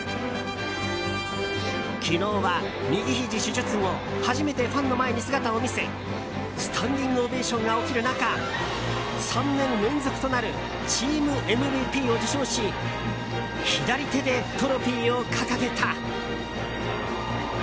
昨日は右ひじ手術後初めてファンの前に姿を見せスタンディングオベーションが起きる中３年連続となるチームＭＶＰを受賞し左手でトロフィーを掲げた。